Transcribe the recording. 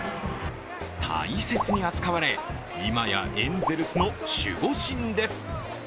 大切に扱われ、今やエンゼルスの守護神です。